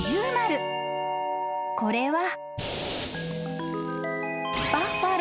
［これは］